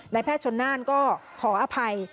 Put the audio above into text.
แพทย์ชนน่านก็ขออภัย